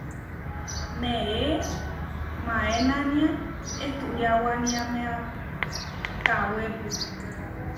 Neé maénania ehturiáwaníamea kawépu.